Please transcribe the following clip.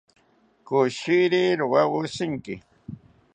Koshiri rowawo shintzi